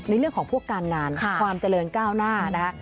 ในเรื่องของพวกการงานความเจริญก้าวหน้านะคะ